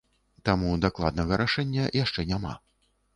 Таму дакладнага рашэння яшчэ няма.